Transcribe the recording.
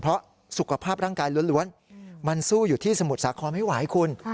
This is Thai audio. เพราะสุขภาพร่างกายล้วนมันสู้อยู่ที่สมุทรสาครไม่ไหวคุณ